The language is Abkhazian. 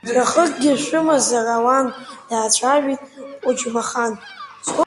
Ҵәахыкгьы шәымазар ауан, даацәажәеит Қәыџьмахан.